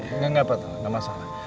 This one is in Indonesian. enggak enggak apa apa gak masalah